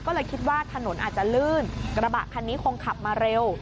ก็เลยคิดว่าถนนอาจจะลื่นกระบะคันนี้คงขับมาเร็ว